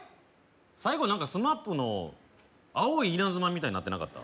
最後何かＳＭＡＰの「青いイナズマ」みたいになってなかった？